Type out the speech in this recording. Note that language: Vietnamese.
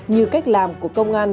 như cách làm của công an